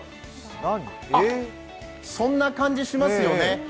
あっ、そんな感じしますよね